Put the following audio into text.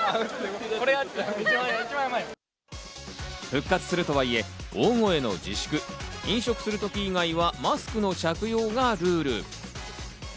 復活するとはいえ、大声の自粛、飲食するとき以外はマスクの着用がルール。